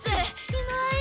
いない。